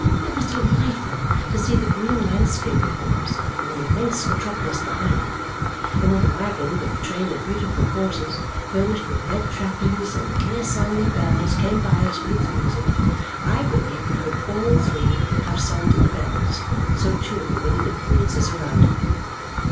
It was delightful to see the green landscape before us and the immense metropolis behind; and when a waggon with a train of beautiful horses, furnished with red trappings and clear sounding bells, came by us with its music, I believe we could all three have sung to the bells, so cheerful were the influences around.